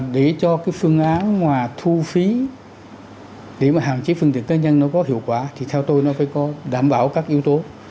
để cho cái phương án mà thu phí để mà hạn chế phương tiện cá nhân nó có hiệu quả thì theo tôi nó phải có đảm bảo các yếu tố